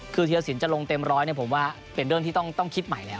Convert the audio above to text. คือธีรสินจะลงเต็มร้อยผมว่าเป็นเรื่องที่ต้องคิดใหม่แล้ว